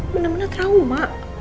bener bener terang mak